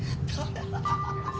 ハハハハッ。